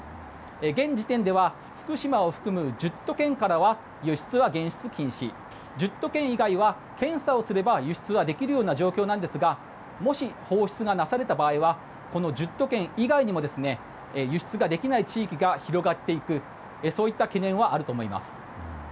現時点では福島を含む１０都県からは輸出は原則禁止１０都県以外は検査をすれば輸出ができる状況なんですがもし放出がなされた場合は１０都県以外も輸出ができない地域が広がっていくそういった懸念はあると思います。